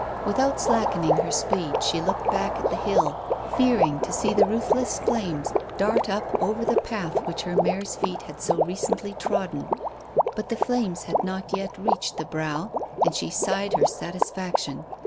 Without slackening her speed, she looked back at the hill, fearing to see the ruthless flames dart up over the path which her mare's feet had so recently trodden. But the flames had not yet reached the brow, and she sighed her satisfaction.